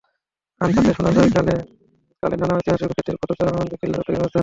কান পাতলে শোনা যায় কালে কালে নানা ঐতিহাসিক ব্যক্তিত্বের পদচারণআন্দরকিল্লা চট্টগ্রামের রাজধানী।